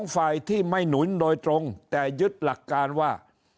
ฝ่ายที่ไม่หนุนโดยตรงแต่ยึดหลักการว่า